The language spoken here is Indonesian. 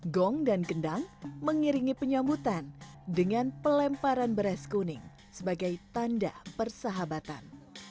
gong dan gendang mengiringi penyambutan dengan pelemparan beras kuning sebagai tanda persahabatan